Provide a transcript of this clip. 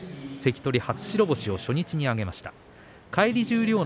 初白星を初日に挙げました。